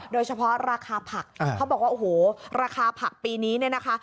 โดยเฉพาะราคาผักเขาบอกว่าโอ้โหราคาผักปีนี้เนี่ยนะคะ